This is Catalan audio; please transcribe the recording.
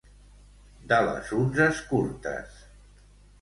De les unces curtes.